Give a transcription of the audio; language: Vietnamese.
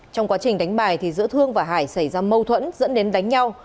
trong quá trình đánh bài giữa thương và hải xảy ra mâu thuẫn dẫn đến đánh nhau